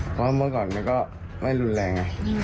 เพราะว่าเมื่อก่อนมันก็ไม่รุนแรงไง